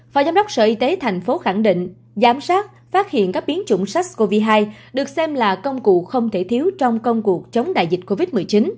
phó giám đốc sở y tế thành phố khẳng định giám sát phát hiện các biến chủng sars cov hai được xem là công cụ không thể thiếu trong công cuộc chống đại dịch covid một mươi chín